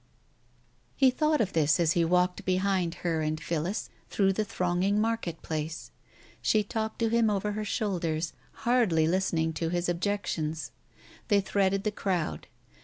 He thought of this as he walked behind her and Phillis through the thronging market place. She talked to him over her shoulder, hardly listening to his objections. They threaded the crowd.